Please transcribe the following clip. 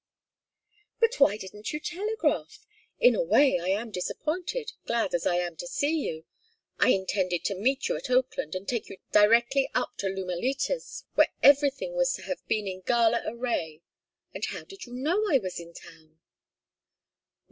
"But why didn't you telegraph? In a way I am disappointed glad as I am to see you. I intended to meet you at Oakland and take you directly up to Lumalitas, where everything was to have been in gala array. And how did you know I was in town?"